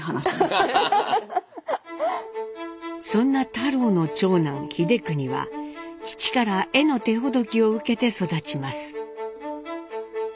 そんな太郎の長男英邦は父から絵の手ほどきを受けて育ちます。